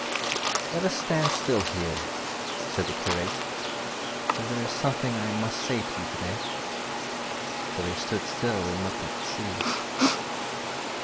'Let us stand still here,' said the curate, 'for there is something I must say to you to day.' So they stood still and looked at the sea.